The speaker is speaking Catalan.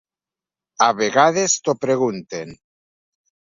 A vegades t’ho pregunten.